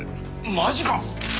マジか！？